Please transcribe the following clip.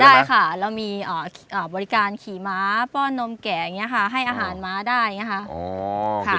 ได้ค่ะเรามีบริการขี่ม้าป้อนนมแก่อย่างนี้ค่ะให้อาหารม้าได้อย่างนี้ค่ะ